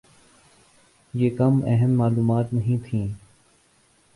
یہ کم اہم معلومات نہیں تھیں۔